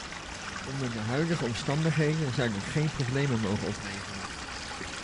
Onder de huidige omstandigheden zou dat geen problemen mogen opleveren.